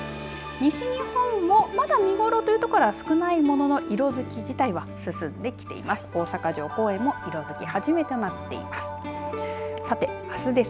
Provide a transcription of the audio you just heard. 西日本も、まだ見頃という所は少ないものの色づき自体は進んできています。